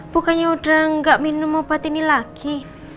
bukannya udah nggak minum obat ini lagi